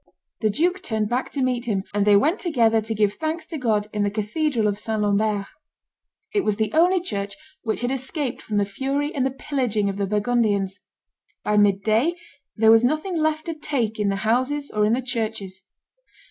The duke turned back to meet him, and they went together to give thanks to God in the cathedral of St. Lambert. It was the only church which had escaped from the fury and the pillaging of the Burgundians; by midday there was nothing left to take in the houses or in the churches.